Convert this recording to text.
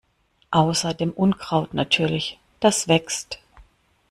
Außer dem Unkraut natürlich, das wächst.